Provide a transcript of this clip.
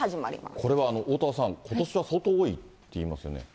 これはおおたわさん、ことしは相当多いっていいますよね。